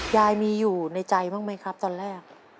ยายมีอยู่ในใจบ้างไหมครับตอนแรก